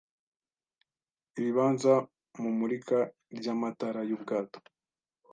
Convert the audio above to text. ibibanza mumurika ryamatara yubwato.